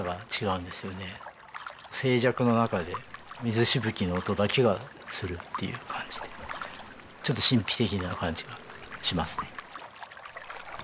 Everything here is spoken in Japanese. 静寂の中で水しぶきの音だけがするっていう感じでちょっと神秘的な感じがしますね。